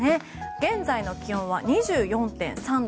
現在の気温は２４．３度。